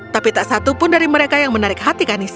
tapi tak satu pun dari mereka yang menarik hati kanis